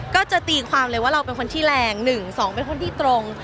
ก็จะตีความเลยว่าเราเป็นคนที่แรง๑๒เป็นคนที่ตรง